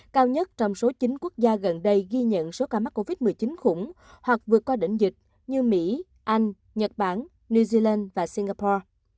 cao nhất trong số chín quốc gia gần đây ghi nhận số ca mắc covid một mươi chín khủng hoặc vượt qua đỉnh dịch như mỹ anh nhật bản new zealand và singapore